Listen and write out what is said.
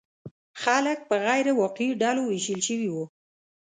خلک په غیر واقعي ډلو ویشل شوي وو.